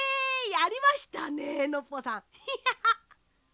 やりましたねノッポさん。